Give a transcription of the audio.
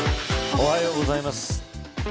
おはようございます。